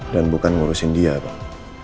dan bukan ngurusin dia pak